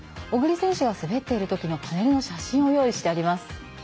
小栗選手が滑っているときの写真を用意してあります。